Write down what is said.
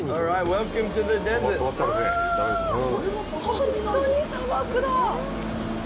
本当に砂漠だ！